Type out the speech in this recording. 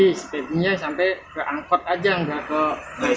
si peggy si peggy nya sampai ke angkot aja nggak ke langsung terminal